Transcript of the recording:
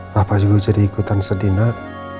papa juga jadi ikutan sedih nak